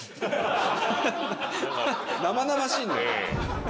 生々しいんだよ